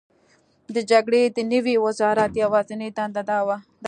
د جګړې د نوي وزرات یوازینۍ دنده دا ده: